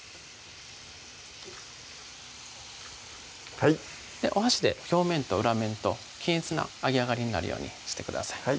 はいお箸で表面と裏面と均一な揚げ上がりになるようにしてください